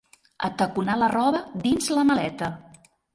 Ataconar la roba dins la maleta.